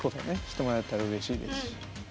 知ってもらえたらうれしいですし。